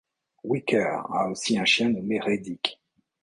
Wecker a aussi un chien nommé Redick.